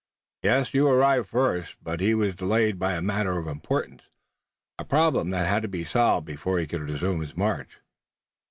"Yes, you arrived first, but he was delayed by a matter of importance, a problem that had to be solved before he could resume his march."